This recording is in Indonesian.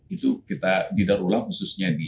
itu kita di daur ulang khususnya di